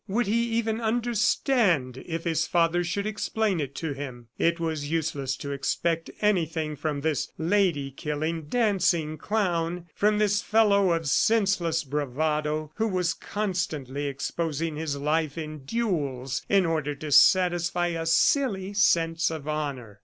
Would he even understand if his father should explain it to him? ... It was useless to expect anything from this lady killing, dancing clown, from this fellow of senseless bravado, who was constantly exposing his life in duels in order to satisfy a silly sense of honor.